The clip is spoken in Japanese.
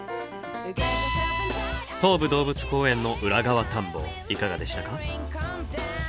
東武動物公園の裏側探訪いかがでしたか？